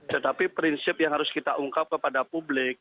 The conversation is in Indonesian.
tetapi prinsip yang harus kita ungkap kepada publik